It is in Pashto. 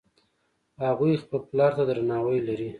هغوی خپل پلار ته درناوی لري